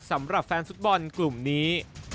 สำหรับแฟนฟุตบอลกลุ่มนี้